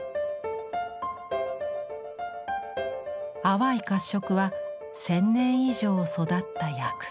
淡い褐色は１，０００年以上育った屋久杉。